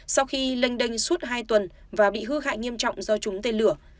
sau khi lênh đênh suốt hai tuần và bị hư hại nghiêm trọng do trúng tên lửa